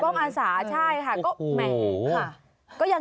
ป้อมอาสาใช่ค่ะก็แหม่งเลยค่ะโอ้โฮ